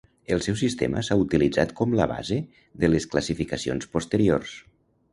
El seu sistema s'ha utilitzat com la base de les classificacions posteriors.